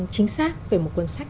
chính xác về một cuốn sách